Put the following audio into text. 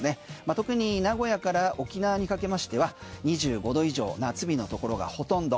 特に名古屋から沖縄にかけましては２５度以上夏日のところがほとんど。